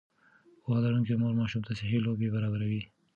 پوهه لرونکې مور ماشوم ته صحي لوبې برابروي.